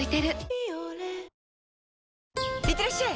「ビオレ」いってらっしゃい！